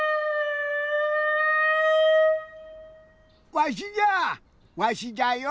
わしじゃわしじゃよ。